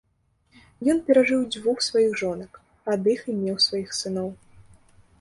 Ён перажыў дзвюх сваіх жонак, ад іх і меў сваіх сыноў.